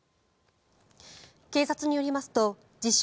警察によりますと自称